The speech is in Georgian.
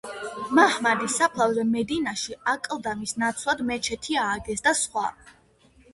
მაჰმადის საფლავზე მედინაში აკლდამის ნაცვლად მეჩეთი ააგეს და სხვა.